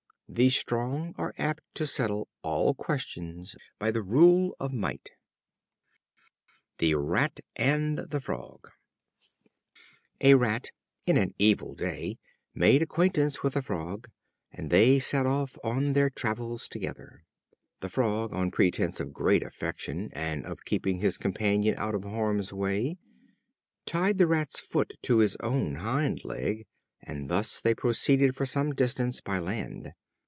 The strong are apt to settle all questions by the rule of might. The Rat and the Frog. A Rat in an evil day made acquaintance with a Frog, and they set off on their travels together. The Frog, on pretense of great affection, and of keeping his companion out of harm's way, tied the Rat's foot to his own hind leg, and thus they proceeded for some distance by land.